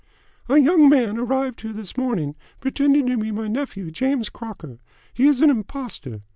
"A young man arrived here this morning, pretending to be my nephew, James Crocker. He is an impostor.